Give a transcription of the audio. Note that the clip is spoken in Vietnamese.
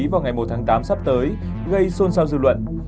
vào ngày một tháng tám sắp tới gây xôn xao dư luận